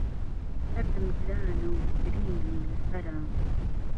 دهردم گرانه و برینم له سهره